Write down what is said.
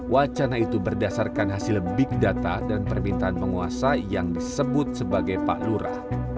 wacana itu berdasarkan hasil big data dan permintaan penguasa yang disebut sebagai pak lurah